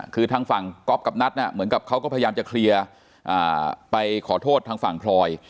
คือทางฝั่งก๊อฟกับนัทเหมือนกับเขาก็พยายามจะเคลียร์ไปขอโทษทางฝั่งพลอย